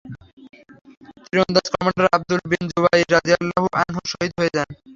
তীরন্দাজ commander Abdullah bin Jubair রাযিয়াল্লাহু আনহুও শহীদ হয়ে যান।